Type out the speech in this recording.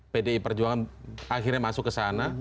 pdi perjuangan akhirnya masuk ke sana